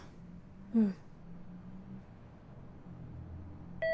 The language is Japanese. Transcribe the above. うん。